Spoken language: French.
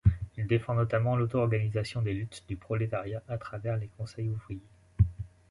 Il défend notamment l'auto-organisation des luttes du prolétariat à travers les conseils ouvriers.